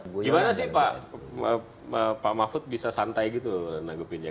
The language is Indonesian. bagaimana sih pak mahfud bisa santai gitu menanggapinya